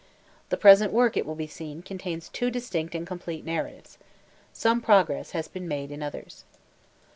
The present work, it will be seen, contains two distinct and completed narratives. Some progress has been made in others.